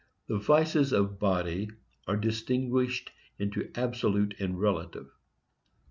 The vices of body are distinguished into absolute and relative.